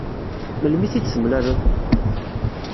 Melmi i t-id-temlaleḍ?